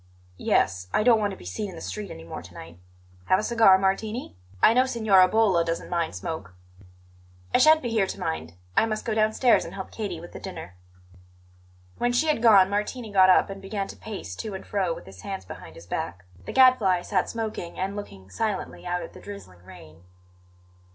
"Yes; I don't want to be seen in the street any more to night. Have a cigar, Martini? I know Signora Bolla doesn't mind smoke." "I shan't be here to mind; I must go downstairs and help Katie with the dinner." When she had gone Martini got up and began to pace to and fro with his hands behind his back. The Gadfly sat smoking and looking silently out at the drizzling rain.